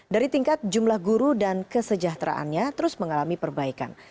dari tingkat jumlah guru dan kesejahteraannya terus mengalami perbaikan